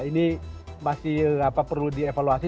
ini masih perlu dievaluasi